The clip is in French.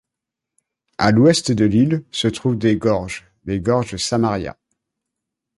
À l'ouest de l'île se trouvent des gorges, les gorges de Samaria.